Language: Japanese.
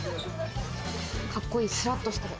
カッコいい、すらっとしてる。